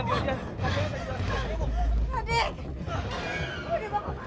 mau dibakar mana pak